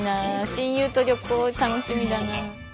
親友と旅行楽しみだな。